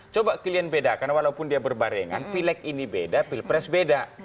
coba kalian bedakan walaupun dia berbarengan pil ek ini beda pil pres beda